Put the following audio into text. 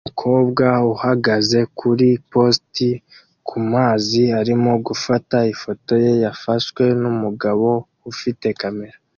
Umukobwa uhagaze kuri post kumazi arimo gufata ifoto ye yafashwe numugabo ufite kamera